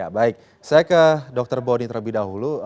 baik saya ke dr boni terlebih dahulu